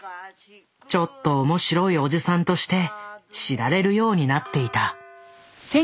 ちょっと面白いおじさんとして知られるようになっていた。